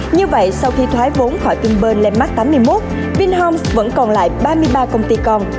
như vậy sau khi thoái vốn khỏi vingroup landmark tám mươi một vingroup vẫn còn lại ba mươi ba công ty còn